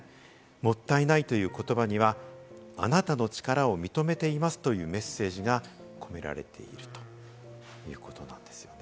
「もったいない」という言葉にはあなたの力を認めていますというメッセージが込められているということなんですよね。